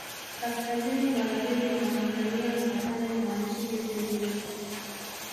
Kaskazini magharibi mwa Tanzania mpakani mwa nchi hizi mbili